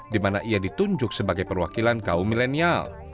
di mana ia ditunjuk sebagai perwakilan kaum milenial